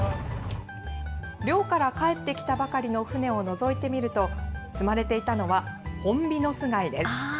漁から帰ってきたばかりの船をのぞいてみると、積まれていたのはホンビノス貝です。